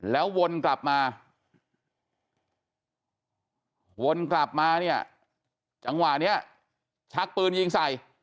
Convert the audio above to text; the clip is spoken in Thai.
แล้ววนกลับมาวนกลับมาเนี่ยจังหวะนี้ชักปืนยิงใส่